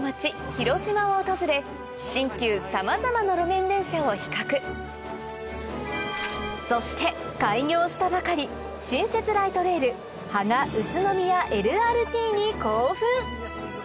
広島を訪れ新旧さまざまな路面電車を比較そして開業したばかり新設ライトレール芳賀・宇都宮ＬＲＴに興奮！